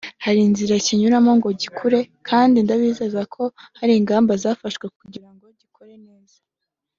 Hari inzira kinyuramo ngo gikure kandi ndabizeza ko hari ingamba zafashwe kugira ngo gikore neza